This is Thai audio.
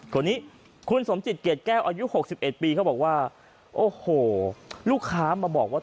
คนนี้คุณสมจิตเกรดแก้วอายุ๖๑ปีเขาบอกว่าโอ้โหลูกค้ามาบอกว่า